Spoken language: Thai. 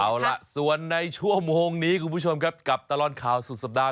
เอาล่ะส่วนในชั่วโมงนี้คุณผู้ชมครับกับตลอดข่าวสุดสัปดาห